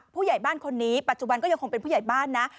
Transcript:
ผู้ใหญ่บ้านคนนี้ปัจจุบันก็ยังคงเป็นผู้ใหญ่บ้านนะ